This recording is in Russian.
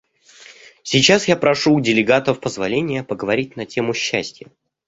Сейчас я прошу у делегатов позволения поговорить на тему счастья.